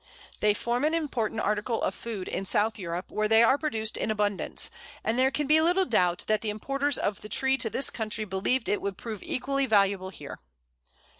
They form an important article of food in South Europe, where they are produced in abundance, and there can be little doubt that the importers of the tree to this country believed it would prove equally valuable here.